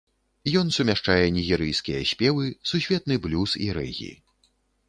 Ён сумяшчае нігерыйскія спевы, сусветны блюз і рэгі.